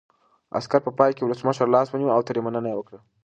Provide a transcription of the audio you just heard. عسکر په پای کې د ولسمشر لاس ونیو او ترې مننه یې وکړه.